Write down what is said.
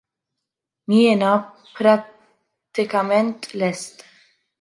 Jiena prattikament lest.